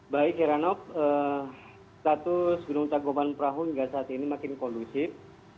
baik heranof status gunung tangkuban parahu hingga saat ini makin kolusif